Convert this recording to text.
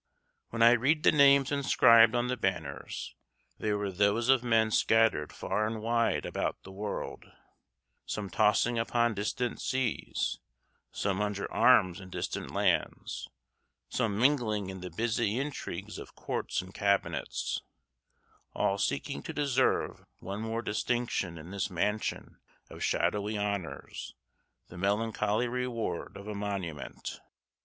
When I read the names inscribed on the banners, they were those of men scattered far and wide about the world some tossing upon distant seas: some under arms in distant lands; some mingling in the busy intrigues of courts and cabinets, all seeking to deserve one more distinction in this mansion of shadowy honors the melancholy reward of a monument.